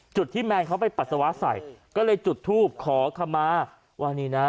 จุดที่แมนเขาไปปัสสาวะใส่ก็เลยจุดทูบขอคำมาว่านี่นะ